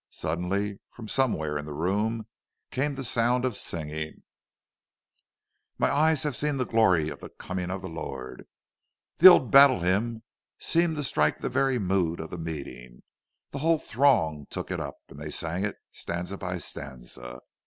Suddenly, from somewhere in the room, came the sound of singing—"Mine eyes have seen the glory of the coming of the Lord!" The old battle hymn seemed to strike the very mood of the meeting; the whole throng took it up, and they sang it, stanza by stanza.